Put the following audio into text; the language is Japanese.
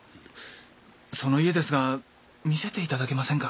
その家ですが見せていただけませんか？